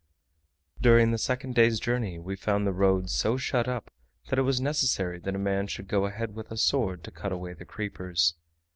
During the second day's journey we found the road so shut up, that it was necessary that a man should go ahead with a sword to cut away the creepers.